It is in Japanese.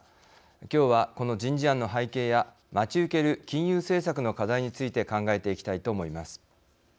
今日は、この人事案の背景や待ち受ける金融政策の課題について考えていきたいと思います。